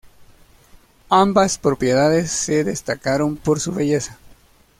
Ambas propiedades se destacaron por su belleza.